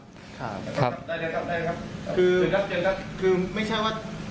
ได้แล้วครับได้แล้วครับคือคือไม่ใช่ว่า